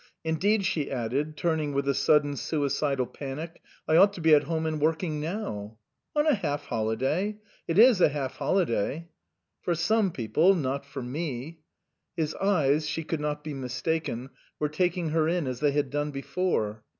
Indeed," she added, turning with a sudden suicidal panic, " I ought to be at home and working now." "What? On a half holiday ? It is a half holiday?" " For some people not for me." His eyes she could not be mistaken were taking her in as they had done before.